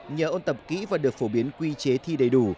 nhờ ôn tập kỹ và được phổ biến quy chế thi đầy đủ